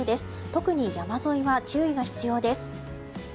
特に山沿いは注意が必要です。